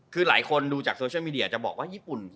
คือหลายคนที่ดูจากโซเชอร์มีเดียจะบอกว่า